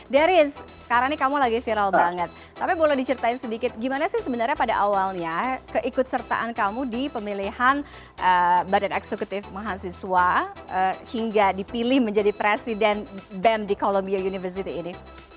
deris sekarang nih kamu lagi viral banget tapi boleh diceritain sedikit gimana sih sebenarnya pada awalnya keikut sertaan kamu di pemilihan badan eksekutif mahasiswa hingga dipilih menjadi presiden bem di columbia university ini